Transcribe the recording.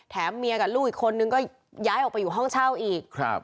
เมียกับลูกอีกคนนึงก็ย้ายออกไปอยู่ห้องเช่าอีก